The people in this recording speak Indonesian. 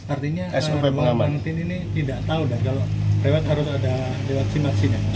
artinya pak menteri ini tidak tahu dah kalau lewat harus ada lewati masinnya